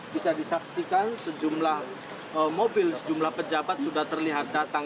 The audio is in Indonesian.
bisa disaksikan sejumlah mobil sejumlah pejabat sudah terlihat datang